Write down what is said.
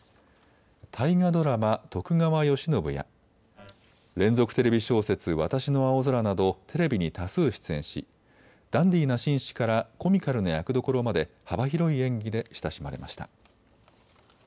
大河ドラマ、徳川慶喜や連続テレビ小説、私の青空などテレビに多数出演しダンディーな紳士からコミカルな役どころまで幅広い演技で親しまれました。